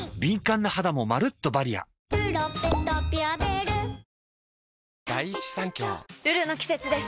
「ルル」の季節です。